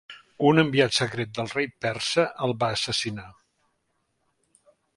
Un enviat secret del rei persa el va assassinar.